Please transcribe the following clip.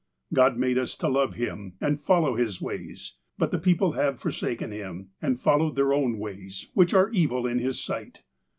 " God made us to love Him, and follow His ways ; but the people have forsaken Him, and followed their own ways, which are evil in His sight.